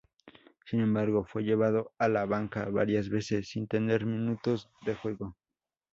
Sin embargo, fue llevado a la banca varias veces sin tener minutos de juego.